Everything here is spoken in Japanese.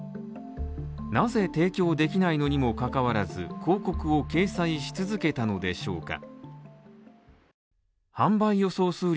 なぜ提供できないのにも関わらず、広告を掲載し続けたのでしょうか？